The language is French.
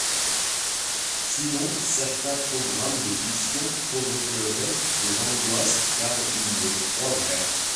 Sinon certains programmes de fiction provoqueraient des angoisses car il les croit vrais.